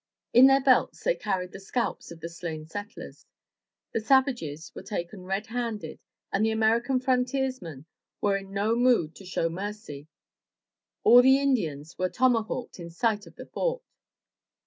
In their belts they carried the scalps of the slain settlers. The savages were taken red handed, and the American frontiersmen were in no mood to show mercy. All the Indians were tomahawked in sight of the fort.